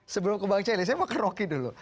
sebelum ke bang celi saya mau ke rocky dulu